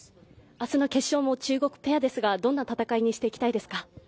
明日の決勝も中国ペアですがどんな戦いにしていきたいですか？